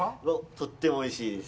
とってもおいしいです。